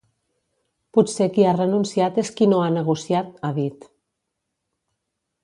“Potser qui ha renunciat és qui no ha negociat”, ha dit.